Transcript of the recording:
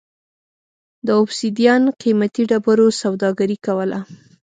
د اوبسیدیان قېمتي ډبرو سوداګري کوله.